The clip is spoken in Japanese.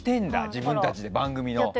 自分たちで番組の。